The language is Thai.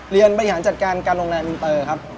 บริหารจัดการการโรงแรมอินเตอร์ครับ